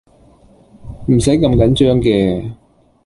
唔使咁緊張嘅